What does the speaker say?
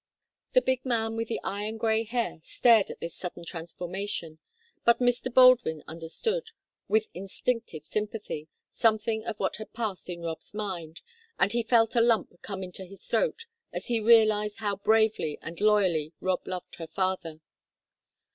The big man with the iron grey hair stared at this sudden transformation, but Mr. Baldwin understood, with instinctive sympathy, something of what had passed in Rob's mind, and he felt a lump come into his throat as he realized how bravely and loyally Rob loved her father.